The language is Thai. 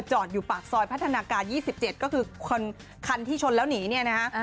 อยู่ปากซอยพัฒนาการ๒๗ก็คือคันที่ชนแล้วหนีเนี่ยนะฮะ